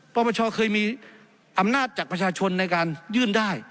ปปชเคยมีอำนาจจากประชาชนในการยื่นได้